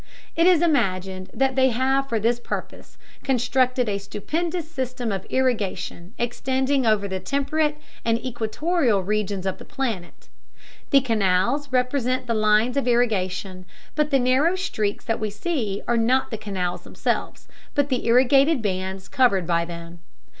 It is imagined that they have for this purpose constructed a stupendous system of irrigation extending over the temperate and equatorial regions of the planet. The "canals" represent the lines of irrigation, but the narrow streaks that we see are not the canals themselves, but the irrigated bands covered by them.